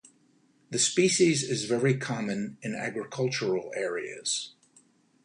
The species is very common in agricultural areas.